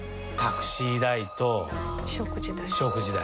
食事代。